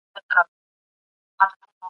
اسلام د شخصي ملکیت لپاره حدود ټاکلي دي.